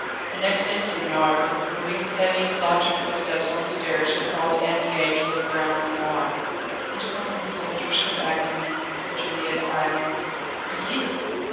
The next instant, however, Merlin's heavy, slouching footsteps on the stairs had caused Anne Mie to look round in alarm. "It is only the soldiers come back for me," said Juliette quietly. "For you?"